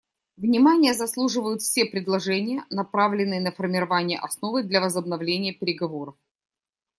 Внимания заслуживают все предложения, направленные на формирование основы для возобновления переговоров.